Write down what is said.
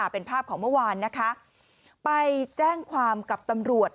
เป็นภาพของเมื่อวานนะคะไปแจ้งความกับตำรวจ